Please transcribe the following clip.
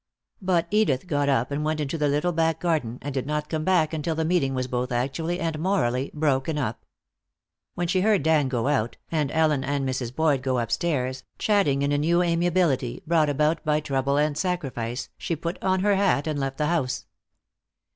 But Edith got up and went out into the little back garden, and did not come back until the meeting was both actually and morally broken up. When she heard Dan go out, and Ellen and Mrs. Boyd go upstairs, chatting in a new amiability brought about by trouble and sacrifice, she put on her hat and left the house.